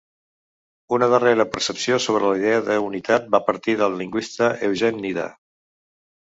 Una darrera percepció sobre la idea d'unitat va partir del lingüista Eugene Nida.